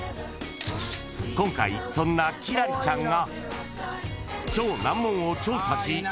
［今回そんな輝星ちゃんが］